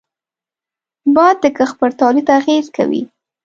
باد د کښت پر تولید اغېز کوي